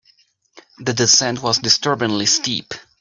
The descent was disturbingly steep.